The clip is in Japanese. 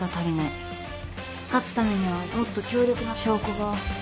勝つためにはもっと強力な証拠が。